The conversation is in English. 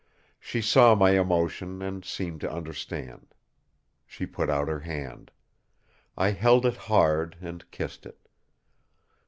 She saw my emotion, and seemed to understand. She put out her hand. I held it hard, and kissed it.